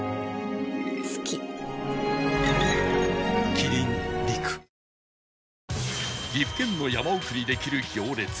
キリン「陸」岐阜県の山奥にできる行列